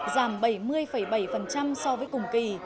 giảm bảy mươi bảy so với cùng kỳ